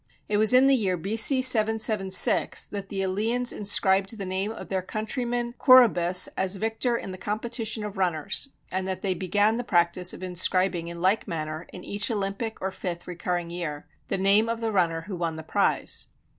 It was in the year B.C. 776 that the Eleans inscribed the name of their countryman Coroebus as victor in the competition of runners, and that they began the practice of inscribing in like manner, in each Olympic or fifth recurring year, the name of the runner who won the prize.